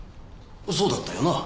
そうだったよなあ？